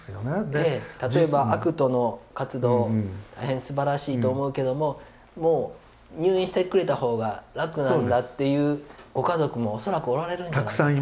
で例えばＡＣＴの活動大変すばらしいと思うけどももう入院してくれた方が楽なんだっていうご家族も恐らくおられるんじゃないですか？